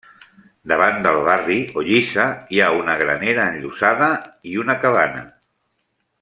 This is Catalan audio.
Davant del barri o lliça hi ha un gran era enllosada i una cabana.